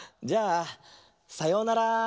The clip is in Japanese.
じゃあさようなら。